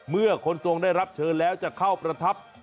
เมื่อคนทรงได้รับเชิญแล้วจะเข้าประทับ